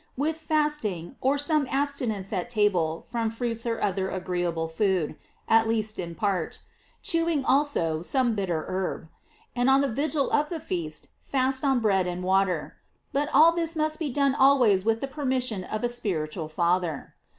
with fasting, or §ome abstinence at table from fruits or other agreeable food, at least in part; chewing also some bitter herb; and on the vigil of the feast fast on bread and water. But all this must be done always with the permission of a spiritual Father.